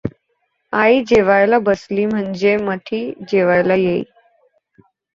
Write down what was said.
आई जेवावयाला बसली म्हणजे मथी जेवायला येई.